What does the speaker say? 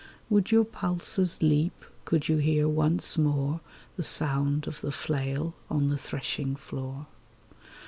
Would your pulses leap could you hear once more The sound of the flail on the threshing floor